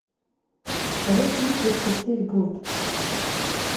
Рыхҩыкгьы ҳәсасы игыт.